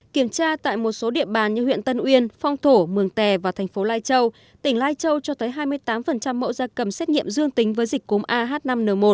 kiểm tra tại một số địa bàn như huyện tân uyên phong thổ mường tè và thành phố lai châu tỉnh lai châu cho tới hai mươi tám mẫu da cầm xét nghiệm dương tính với dịch cúm ah năm n một